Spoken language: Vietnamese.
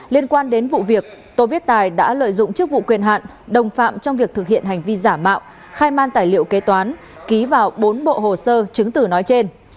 liên quan đến vụ việc tô viết tài đã lợi dụng chức vụ quyền hạn đồng phạm trong việc thực hiện hành vi giả mạo khai man tài liệu kế toán ký vào bốn bộ hồ sơ chứng tử nói trên